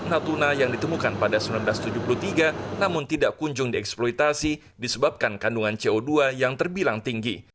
natuna yang ditemukan pada seribu sembilan ratus tujuh puluh tiga namun tidak kunjung dieksploitasi disebabkan kandungan co dua yang terbilang tinggi